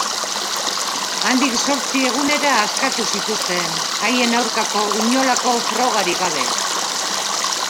Handik zortzi egunera askatu zituzten, haien aurkako inolako frogarik gabe.